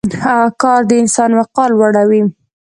کار د انسان وقار لوړوي.